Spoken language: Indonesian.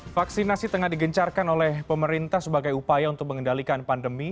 vaksinasi tengah digencarkan oleh pemerintah sebagai upaya untuk mengendalikan pandemi